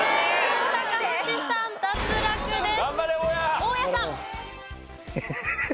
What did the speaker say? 大家さん脱落です。